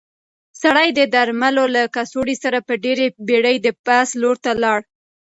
سړی د درملو له کڅوړې سره په ډېرې بیړې د بس لور ته لاړ.